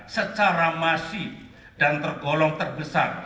secara masif dan tergolong terbesar